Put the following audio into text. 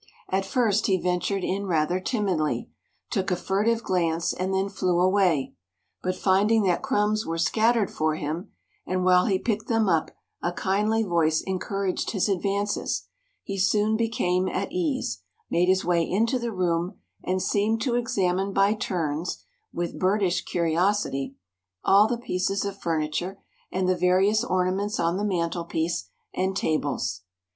At first he ventured in rather timidly, took a furtive glance and then flew away, but finding that crumbs were scattered for him, and while he picked them up a kindly voice encouraged his advances, he soon became at ease, made his way into the room and seemed to examine by turns, with birdish curiosity, all the pieces of furniture and the various ornaments on the mantelpiece and tables.